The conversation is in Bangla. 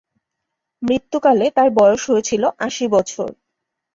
মৃত্যুকালে তার বয়স হয়েছিল আশি বছর।